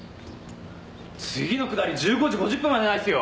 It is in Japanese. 次の下り１５時５０分までないっすよ！